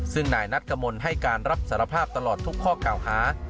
ซึ่งนายนัทกมลให้การรับสารภาพตลอดทุกข้อเก่าหา